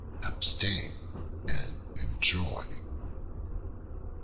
Abstain and enjoy.